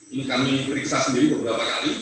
ini kami periksa sendiri beberapa kali